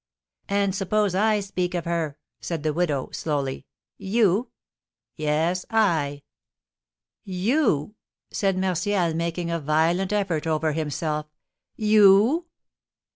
"And suppose I speak of her?" said the widow, slowly. "You?" "Yes, I!" "You?" said Martial, making a violent effort over himself; "you?"